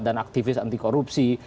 dan aktivis anti korupsi